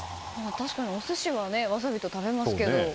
確かに、お寿司はわさびと食べますけど。